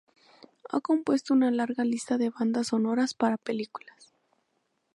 Ha compuesto una larga lista de bandas sonoras para películas.